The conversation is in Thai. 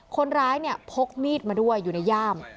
คนร้ายเนี่ยพกมีดมาด้วยอยู่ในย่าม